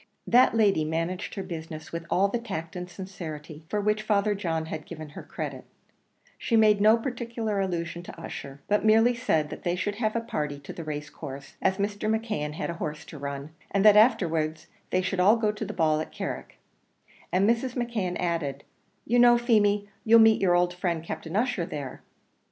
That lady managed her business with all the tact and sincerity for which Father John had given her credit; she made no particular allusion to Ussher, but merely said that they should have a party to the race course, as Mr. McKeon had a horse to run, and that afterwards they should all go to the ball at Carrick; and Mrs. McKeon added, "You know, Feemy, you'll meet your old friend Captain Ussher there."